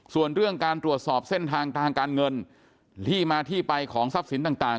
ส่วนเรื่องการตรวจสอบเส้นทางทางการเงินที่มาที่ไปของทรัพย์สินต่าง